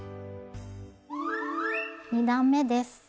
２段めです。